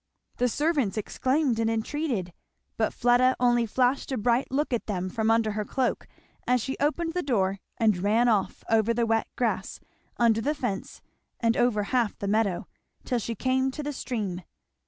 The servants exclaimed and entreated, but Fleda only flashed a bright look at them from under her cloak as she opened the door, and ran off, over the wet grass, under the fence, and over half the meadow, till she came to the stream.